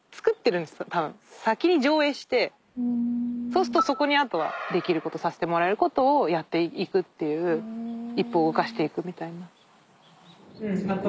そうするとそこにあとはできることさせてもらえることをやっていくっていう一歩を動かしていくみたいな。